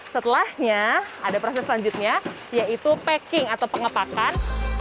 setelahnya ada proses selanjutnya yaitu packing atau pengepakan